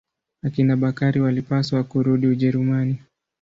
Akina Bakari walipaswa kurudi Ujerumani.